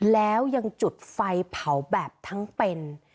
แล้วยังจุดไฟเผาแบบทั้งเป็น